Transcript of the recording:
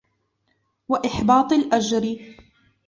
وَإِحْبَاطِ الْأَجْرِ